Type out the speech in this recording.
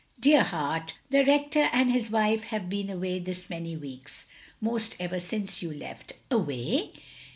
" "Dear heart, the Rector and his wife have been away this many weeks. Most ever since you left.'* "Away!"